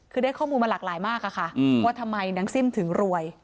คือได้ข้อมูลมาหลากหลายมากค่ะว่าทำไมนางซิ่มถึงรวย